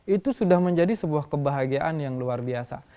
itu sudah menjadi sebuah kebahagiaan yang luar biasa